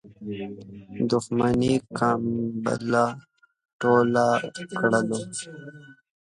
دښمنی کمبله ټوله کړو.